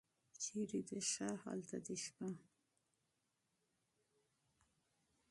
چېرې دې ښه هلته دې شپه.